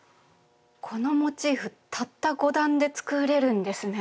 このモチーフたった５段で作れるんですね。